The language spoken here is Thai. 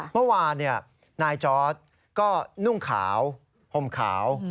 เมื่อวานนายจอร์ดก็นุ่งขาวห่มขาว